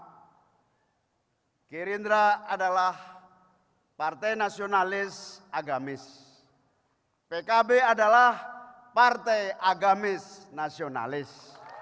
sangat yang sama gerindra adalah partai nasionalis agamis pkb adalah partai agamis nasionalis